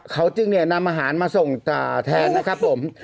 เขาจึงเนี่ยนำอาหารมาส่งแทนนะครับผม